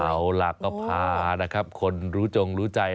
เอาล่ะก็พานะครับคนรู้จงรู้ใจ